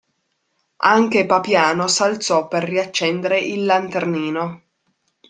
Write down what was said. Anche Papiano s'alzò per riaccendere il lanternino.